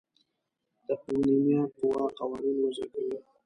تقنینیه قوه قوانین وضع کوي.